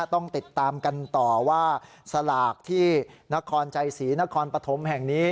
ต้องติดตามกันต่อว่าสลากที่นครใจศรีนครปฐมแห่งนี้